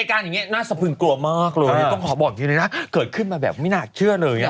การอย่างเงี้น่าสะพึงกลัวมากเลยต้องขอบอกจริงเลยนะเกิดขึ้นมาแบบไม่น่าเชื่อเลยอ่ะ